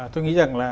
tôi nghĩ rằng là